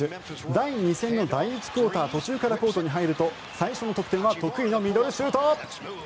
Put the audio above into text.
第２戦の第１クオーター途中からコートに入ると最初の得点は得意のミドルシュート。